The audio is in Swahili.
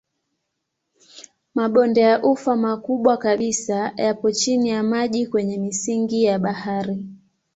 Mabonde ya ufa makubwa kabisa yapo chini ya maji kwenye misingi ya bahari.